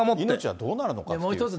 命はどうなるのか。